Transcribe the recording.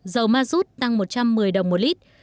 dầu ma rút tăng một trăm một mươi đồng một lít